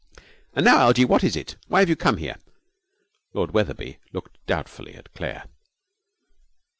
'And now, Algie, what is it? Why have you come here?' Lord Wetherby looked doubtfully at Claire.